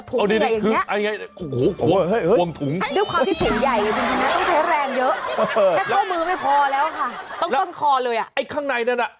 ถุงใหญ่อย่างนี้